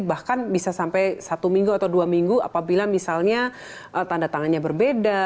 bahkan bisa sampai satu minggu atau dua minggu apabila misalnya tanda tangannya berbeda